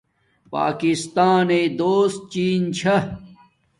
پاکستانݵ دوست چین چھا